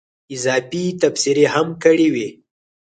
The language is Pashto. اضافي تبصرې هم کړې وې.